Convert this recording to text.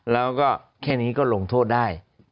แล้วก็แค่นี้ก็ลงโทษได้